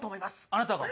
あなたが？